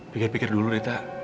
pikir pikir dulu deh tak